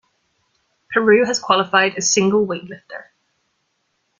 Peru has qualified a single weightlifter.